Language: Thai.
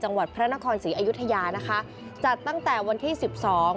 จังหวัดพระนครศรีอยุธยานะคะจัดตั้งแต่วันที่สิบสอง